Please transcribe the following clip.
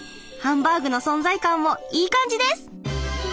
ハンバーグの存在感もいい感じです！